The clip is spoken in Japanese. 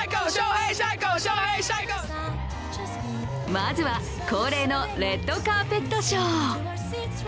まずは恒例のレッドカーペットショー。